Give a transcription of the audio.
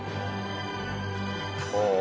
ほう。